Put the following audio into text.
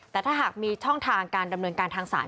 แต่ถ้าหากมีช่องทางการดำเนินการทางศาล